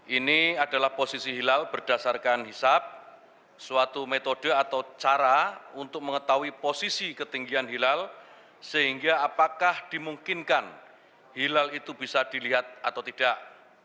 ini adalah posisi hilal berdasarkan hisap suatu metode atau cara untuk mengetahui posisi ketinggian hilal sehingga apakah dimungkinkan hilal itu bisa dilihat atau tidak